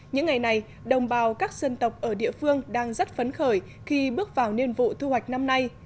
những ngày này đồng bào các dân tộc ở địa phương đang rất phấn khởi khi bước vào niên vụ thu hoạch năm nay